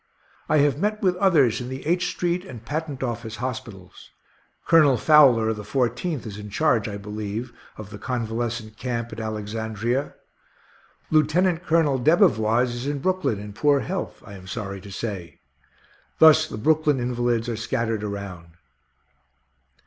I have met with others in the H street and Patent office hospitals. Colonel Fowler, of the Fourteenth, is in charge, I believe, of the convalescent camp at Alexandria. Lieutenant Colonel Debevoise is in Brooklyn, in poor health, I am sorry to say. Thus the Brooklyn invalids are scattered around.